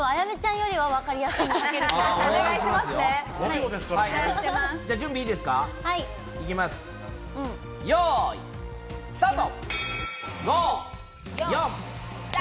よい、スタート！